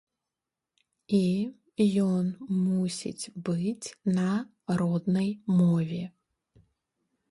І ён мусіць быць на роднай мове.